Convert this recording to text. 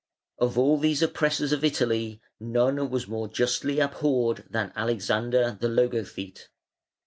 Of all these oppressors of Italy none was more justly abhorred than Alexander the Logothete.